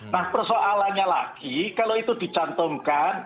nah persoalannya lagi kalau itu dicantumkan